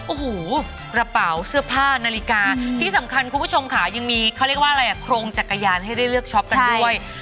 โอ้โหกระเป๋าเสื้อผ้านาฬิกาที่สำคัญคุณผู้ชมค่ะยังมีเขาเรียกว่าอะไรอ่ะโครงจักรยานให้ได้เลือกช็อปกันด้วย